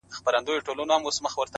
• ړوند په څراغ څه کوي ,